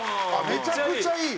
めちゃくちゃいい！